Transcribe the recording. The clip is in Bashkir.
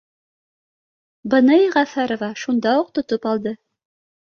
Быны Йәғәфәрова шунда уҡ то топ алды